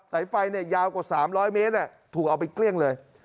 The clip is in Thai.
สายไฟยาวกว่า๓๐๐เมตรถูกเอาไปเกลี้ยงเลย